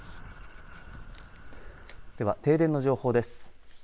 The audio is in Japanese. では、停電の情報です。